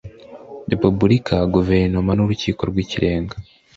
Repubulika Guverinoma n Urukiko rw Ikirenga